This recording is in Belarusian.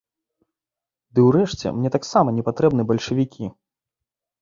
Ды, урэшце, мне таксама не патрэбны бальшавікі.